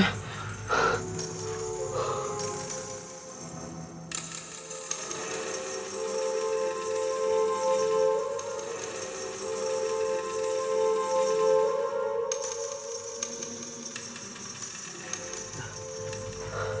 tidur lagi ya